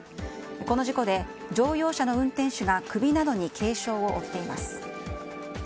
この事故で乗用車の運転手が首などに軽傷を負っています。